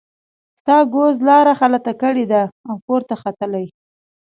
ستا ګوز لاره غلطه کړې ده او پورته ختلی.